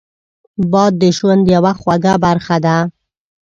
باد د ژوند یوه خوږه برخه ده